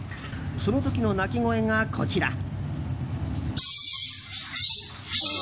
その時の鳴き声がこちら。